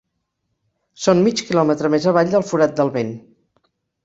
Són mig quilòmetre més avall del Forat del Vent.